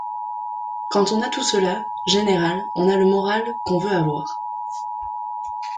Quand on a tout cela, général, on a le moral qu’on veut avoir.